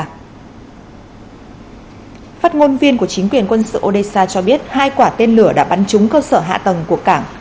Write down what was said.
phát ngôn viên của chính quyền quân sự odessa cho biết hai quả tên lửa đã bắn trúng cơ sở hạ tầng của cảng